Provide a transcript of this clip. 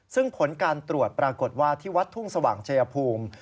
ซึ่งผลการตรวจปรากฏว่าที่วัดทุ่งสว่างชายภูมิ